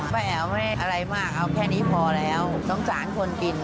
ไม่เอาไม่ได้อะไรมากเอาแค่นี้พอแล้วสงสารคนกิน